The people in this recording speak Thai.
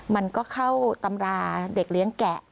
มันก็เข้าตำราเด็กเลี้ยงแกะ